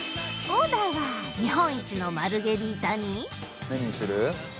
オーダーは日本一のマルゲリータに何にする？